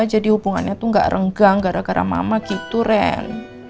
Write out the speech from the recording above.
jadi hubungannya tuh gak renggang gara gara mama gitu ren